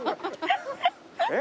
えっ？